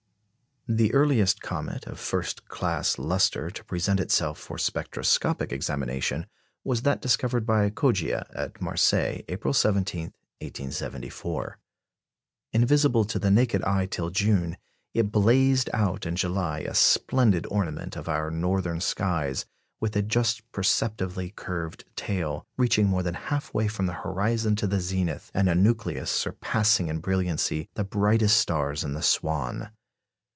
The earliest comet of first class lustre to present itself for spectroscopic examination was that discovered by Coggia at Marseilles, April 17, 1874. Invisible to the naked eye till June, it blazed out in July a splendid ornament of our northern skies, with a just perceptibly curved tail, reaching more than half way from the horizon to the zenith, and a nucleus surpassing in brilliancy the brightest stars in the Swan.